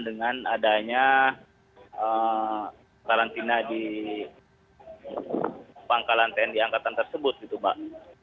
dengan adanya karantina di pangkalan tni angkatan tersebut gitu mbak